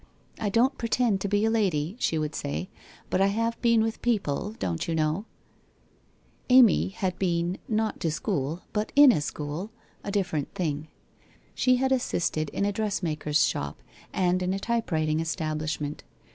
' I don't pretend to be a lady,' she would say, ' but I have been with people, don't you know ?' WHITE ROSE OF WEARY LEAF 11 Amy had been, not to school, but in a school — a differ ent thing. She had assisted in a dressmaker's shop, and in a typewriting establishment.